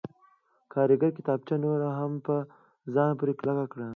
کارګر کتابچه نوره هم په ځان پورې کلکه کړه